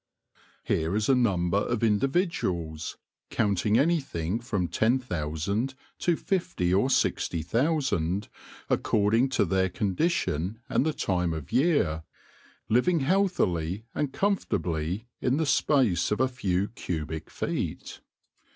Here is a number of individuals — counting anything from ten thousand to fifty or sixty thousand, according to their condition and the time of year — living healthily and comfortably in the space of a few cubic feet.